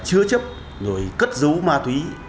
chưa chấp rồi cất giấu ma túy